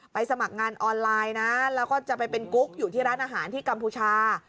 สมัครงานออนไลน์นะแล้วก็จะไปเป็นกุ๊กอยู่ที่ร้านอาหารที่กัมพูชา